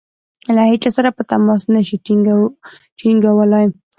له هیچا سره به تماس نه شي ټینګولای.